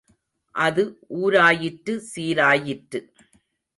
அது ஊராயிற்று, சீராயிற்று.